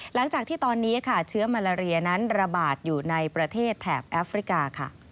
หลังจากที่ตอนนี้ค่ะเชื้อมาลาเรียนั้นระบาดอยู่ในประเทศแถบแอฟริกาค่ะ